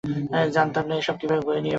জানতাম না, এসব কিভাবে বয়ে নিয়ে বেড়াবো।